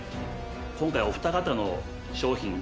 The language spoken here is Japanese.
今回お二方の商品。